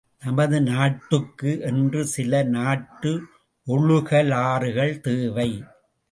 நமது நாட்டுக்கு என்று சில நாட்டு ஒழுகலாறுகள் தேவை.